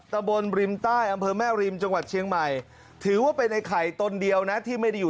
ตะบนริมใต้อำเภอแม่ริมจังหวัดเชียงใหม่